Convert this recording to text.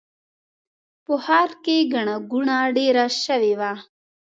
په ښار کې ګڼه ګوڼه ډېره شوې وه.